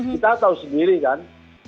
kita tahu sendiri kan